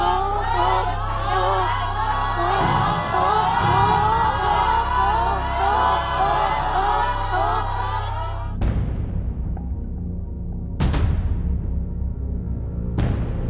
ถูก